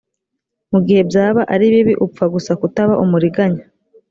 mu gihe byaba ari bibi upfa gusa kutaba umuriganya.